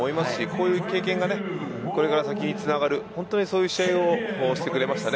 こういった経験がこれから先につながるそういう試合をしてくれました。